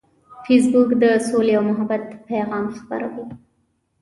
فېسبوک د سولې او محبت پیغام خپروي